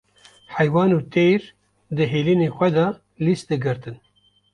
heywan û teyr di hêlînên xwe de lîs digirtin.